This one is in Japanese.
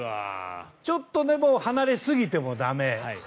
ちょっとでも離れすぎても駄目。